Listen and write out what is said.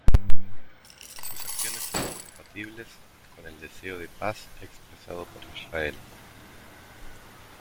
Sus acciones son incompatibles con el deseo de paz expresado por Israel.